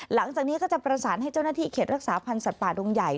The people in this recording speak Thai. หลังจากนี้ก็จะประสานให้เจ้าหน้าที่เขตรักษาพันธ์สัตว์ป่าดงใหญ่